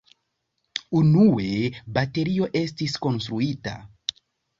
Unue baterio estis konstruita.